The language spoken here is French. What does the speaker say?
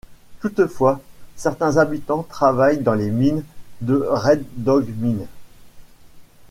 Toutefois certains habitants travaillent dans les mines de Red Dog Mine.